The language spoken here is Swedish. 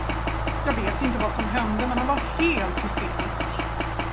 Jag vet inte vad som hände men han var helt hysterisk.